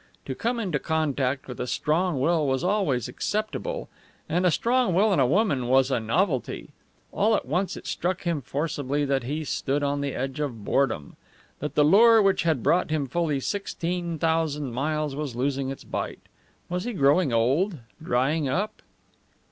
To come into contact with a strong will was always acceptable; and a strong will in a woman was a novelty. All at once it struck him forcibly that he stood on the edge of boredom; that the lure which had brought him fully sixteen thousand miles was losing its bite. Was he growing old, drying up?